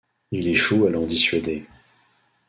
Il échoue à l’en dissuader.